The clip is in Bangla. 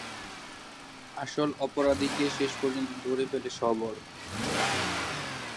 আসল অপরাধীকে শেষ পর্যন্ত ধরে ফেলে শবর।